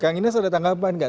kang ines ada tanggapan gak